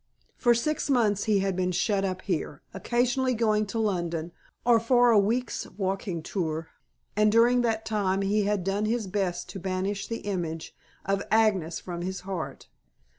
For six months he had been shut up here, occasionally going to London, or for a week's walking tour, and during that time he had done his best to banish the image of Agnes from his heart.